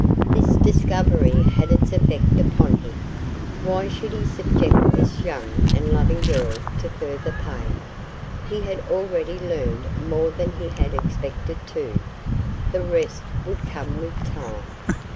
This discovery had its effects upon him. Why should he subject this young and loving girl to further pain? He had already learned more than he had expected to. The rest would come with time.